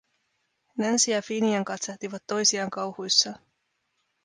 Nancy ja Finian katsahtivat toisiaan kauhuissaan.